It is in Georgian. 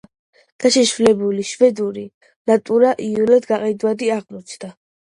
გაშიშვლებული შვედური ნატურა იოლად გაყიდვადი აღმოჩნდა.